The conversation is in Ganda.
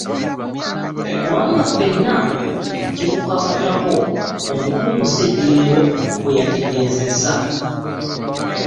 Kubanga ffenna kitukakatako.” Omukungu Ssejjengo bwe yategeezezza.